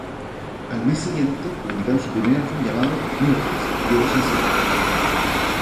Al mes siguiente, publicaron su primer álbum llamado "Miracles" y otros sencillos.